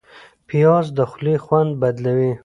پیاز د خولې خوند بدلوي